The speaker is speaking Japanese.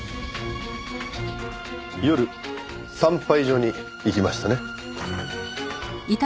夜産廃場に行きましたね？